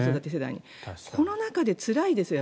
この中でつらいですよ